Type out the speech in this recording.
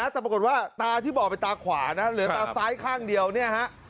แต่ปรากฏว่าตานี่ที่บ่อดไปตาขวานะหรือสายข้างเดียวเนี่ย